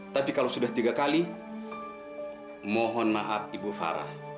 tapi kalau sudah tiga kali mohon maaf ibu farah